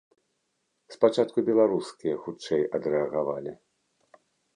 Спачатку беларускія хутчэй адрэагавалі.